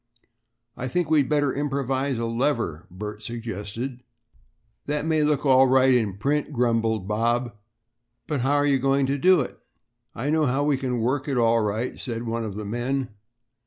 "I think we'd better improvise a lever," Bert suggested. "That may look all right in print," grumbled Bob, "but how are you going to do it?" "I know how we can work it all right," said one of the men.